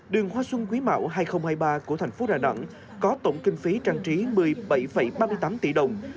đường hoa xuân quý mão hai nghìn hai mươi ba của thành phố đà nẵng có tổng kinh phí trang trí một mươi bảy ba mươi tám tỷ đồng